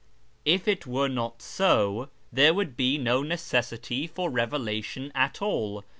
If it were not so, there would be no necessity for revelation at all.